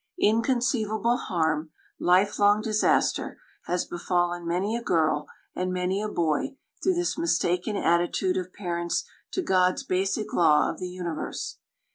Inconceivable harm, lifelong disaster, has befallen many a girl and many a boy through this mistaken attitude of parents to God's basic law of the universe.